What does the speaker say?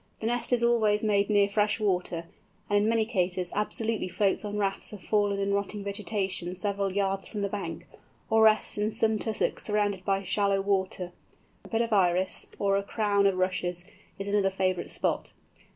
The nest is always made near fresh water, and in many cases absolutely floats on rafts of fallen and rotting vegetation several yards from the bank, or rests in some tussock surrounded by shallow water. A bed of iris, or a crown of rushes, is another favourite spot.